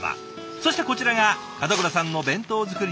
そしてこちらが門倉さんの弁当作り